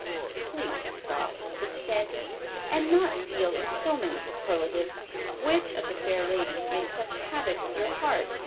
"Please stop," said Stanton, "and not deal in so many superlatives. Which of the fair ladies made such havoc with your heart?